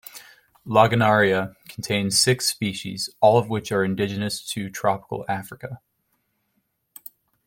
"Lagenaria" contains six species, all of which are indigenous to tropical Africa.